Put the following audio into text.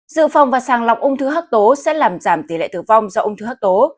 dự phòng và sàng lọc ung thư hấp tố sẽ làm giảm tỷ lệ tử vong do ung thư hạc tố